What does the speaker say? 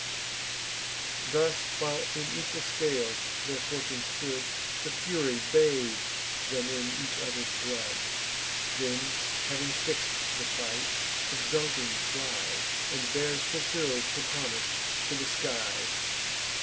Thus, while in equal scales their fortune stood The Fury bath'd them in each other's blood; Then, having fix'd the fight, exulting flies, And bears fulfill'd her promise to the skies.